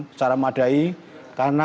secara madai karena